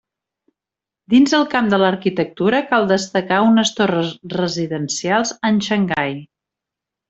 Dins el camp de l'arquitectura cal destacar unes torres residencials en Xangai.